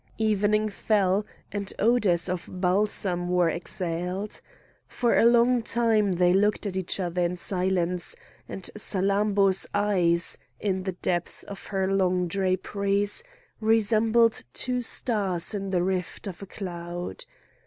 Evening fell, and odours of balsam were exhaled. For a long time they looked at each other in silence, and Salammbô's eyes, in the depths of her long draperies, resembled two stars in the rift of a cloud.